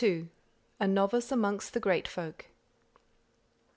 A NOVICE AMONGST THE GREAT FOLK.